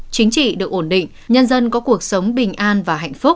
chính trị được ổn định nhân dân có cuộc sống bình an và hạnh phúc